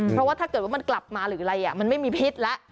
เพราะว่าถ้าเกิดว่ามันกลับมาหรืออะไรมันไม่มีพิษแล้ว